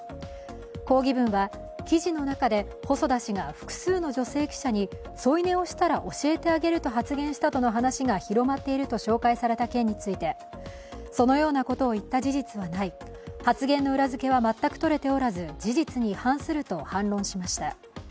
抗議文は記事の中で細田氏が複数の女性記者に添い寝をしたら教えてあげると発言したとの話が広まっていると紹介された件についてそのようなことを言った事実はない、発言の裏付けは全くとれておらず事実に反すると反論しました。